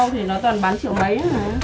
thì nó toàn bán triệu mấy